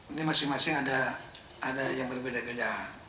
ini masing masing ada yang berbeda beda